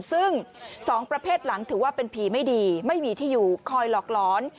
ซึ่งสองประเภทหลังถือว่าเป็นผีไม่ดีไม่มีที่อยู่คอยหลอกหลอน